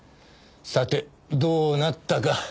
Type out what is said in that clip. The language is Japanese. さてどうなったか。